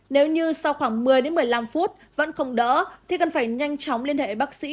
nếu như sau khoảng một mươi đến một mươi năm phút vẫn không đỡ thì cần phải nhanh chóng liên hệ bác sĩ